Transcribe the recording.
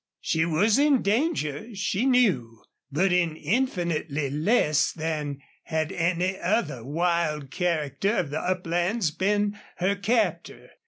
She was in danger, she knew, but in infinitely less than had any other wild character of the uplands been her captor.